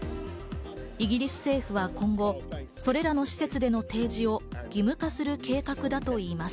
イギリス政府は今後、それらの施設での提示を義務化する計画だといいます。